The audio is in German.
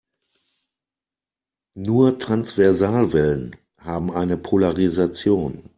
Nur Transversalwellen haben eine Polarisation.